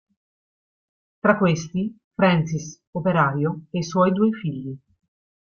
Tra questi Francis, operaio, e i suoi due figli.